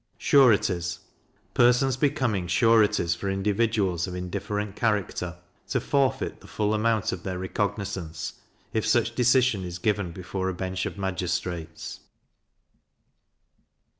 Sureties. Persons becoming sureties for individuals of indifferent character, to forfeit the full amount of their recognizance, if such decision is given before a bench of magistrates.